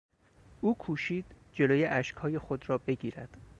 او کوشید جلو اشکهای خود را بگیرد.